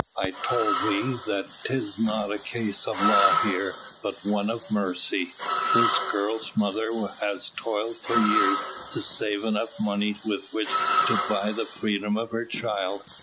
I told thee that 'tis not a case of law here but one of mercy. This girl's mother has toiled for years to save enough money with which to buy the freedom of her child.